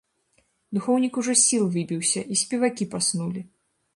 Духоўнік ужо з сіл выбіўся і спевакі паснулі!